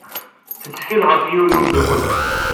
Tettkel ɣef yiwen n umeddakel.